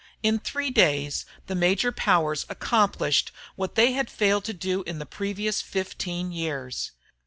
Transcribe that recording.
In three days, the major powers accomplished what they had failed to do in the previous 15 years.